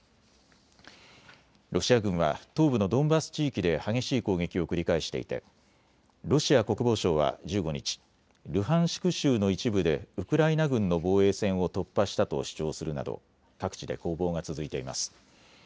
ロシア軍は東部のドンバス地域で激しい攻撃を繰り返していてロシア国防省は１５日、ルハンシク州の一部でウクライナ軍の防衛線を突破したと主張するなど各地で攻防が続いています。